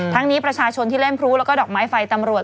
นี้ประชาชนที่เล่นพลุแล้วก็ดอกไม้ไฟตำรวจ